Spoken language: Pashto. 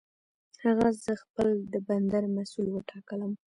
هغه زه خپل د بندر مسؤل وټاکلم.